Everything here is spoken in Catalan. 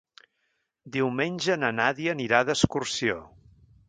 Diumenge na Nàdia anirà d'excursió.